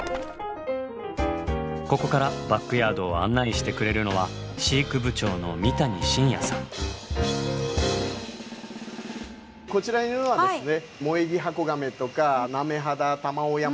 ここからバックヤードを案内してくれるのは飼育部長のこちらにいるのはですね